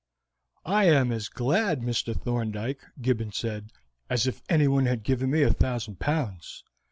"I am as glad, Mr. Thorndyke," Gibbons said, "as if anyone had given me a thousand pounds.